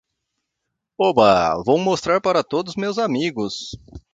Oba, vou mostrar para todos os meus amigos.